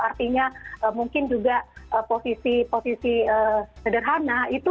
artinya mungkin juga posisi posisi sederhana itu